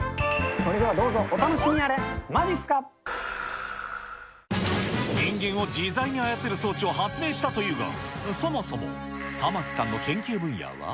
それではどうぞお楽しみあれ、人間を自在に操る装置を発明したというが、そもそも、玉城さんの研究分野は。